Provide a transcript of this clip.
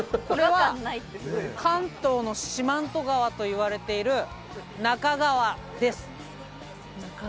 これは関東の四万十川といわれている。